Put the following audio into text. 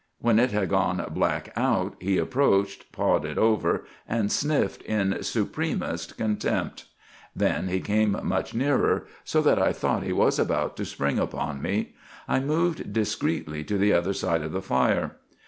When it had gone black out, he approached, pawed it over, and sniffed in supremest contempt. Then he came much nearer, so that I thought he was about to spring upon me. I moved discreetly to the other side of the fire.